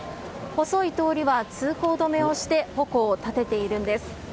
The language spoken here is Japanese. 細い通りは通行止めをして、鉾を建てているんです。